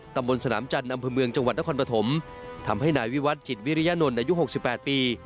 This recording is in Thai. ตำบลสนามจันทร์อำเภอเมืองจังหวัดนครปฐมทำให้นายวิวัตรจิตวิริยนนท์อายุ๖๘ปี